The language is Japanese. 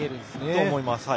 だと思います。